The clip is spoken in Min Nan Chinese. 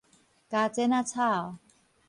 鉸剪仔草